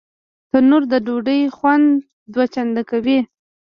تنور د ډوډۍ خوند دوه چنده کوي